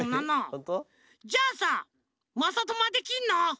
ホント？じゃあさまさともはできんの？